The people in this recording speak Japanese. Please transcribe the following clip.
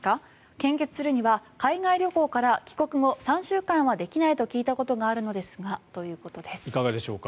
献血するには海外旅行から帰国後３週間はできないと聞いたことがあるのですがということです。